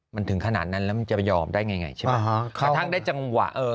มันถึงขนาดนั้นแล้วมันจะยอมได้ไงใช่ไหม